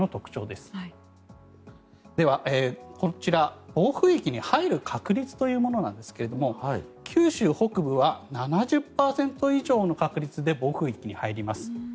ではこちら暴風域に入る確率というものなんですが九州北部は７０％以上の確率で暴風域に入ります。